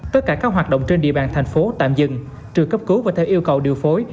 tất cả các hoạt động trên địa bàn thành phố tạm dừng trừ cấp cứu và theo yêu cầu điều phối